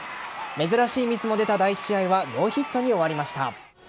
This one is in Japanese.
珍しいミスも出た第１試合はノーヒットに終わりました。